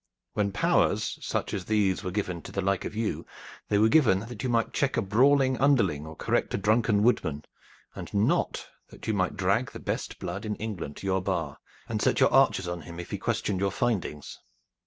When powers such as these were given to the like of you, they were given that you might check a brawling underling or correct a drunken woodman, and not that you might drag the best blood in England to your bar and set your archers on him if he questioned your findings."